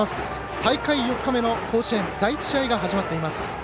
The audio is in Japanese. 大会４日目の甲子園第１試合が始まっています。